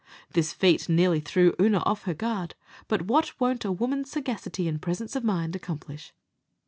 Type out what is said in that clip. This feat nearly threw Oonagh herself off her guard; but what won't a woman's sagacity and presence of mind accomplish?